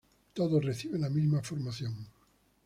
Todos reciben la misma formación.